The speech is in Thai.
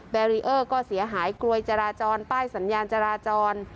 แบรีเออร์ก็เสียหายกลวยจราจรป้ายสัญญาณจราจร